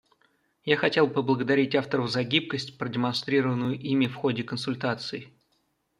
Я хотел бы поблагодарить авторов за гибкость, продемонстрированную ими в ходе консультаций.